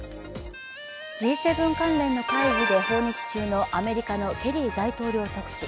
Ｇ７関連の会議で訪日中のアメリカのケリー大統領特使。